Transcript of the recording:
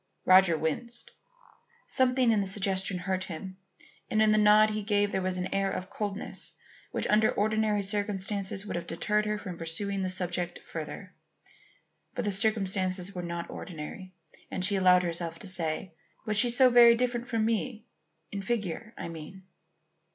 Roger winced. Something in the suggestion hurt him, and in the nod he gave there was an air of coldness which under ordinary circumstances would have deterred her from pursuing this subject further. But the circumstances were not ordinary, and she allowed herself to say: "Was she so very different from me, in figure, I mean?"